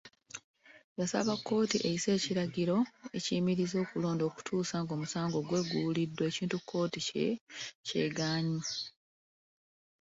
Yasaba kkooti eyise ekiragiro ekiyimiriza okulonda okutuuka ng'omusango gwe guwuliddwa ekintu kkooti ky'egaanye.